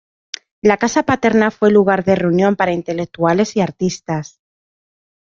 La casa paterna fue lugar de reunión para intelectuales y artistas.